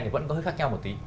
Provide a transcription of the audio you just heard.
vẫn có hơi khác nhau một tí